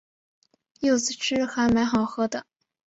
柚子汁还蛮好喝的